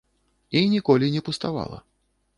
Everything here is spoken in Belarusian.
І ніколі не пуставала.